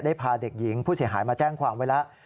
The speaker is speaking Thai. ได้พาเด็กหญิงผู้เสียหายมาแจ้งความเวลา